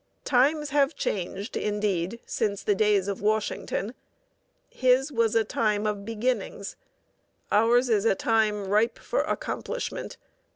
Times have changed, indeed, since the days of Washington. His was a time of beginnings, ours is a time ripe for accomplishment.